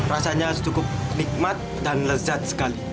rasanya cukup nikmat dan lezat sekali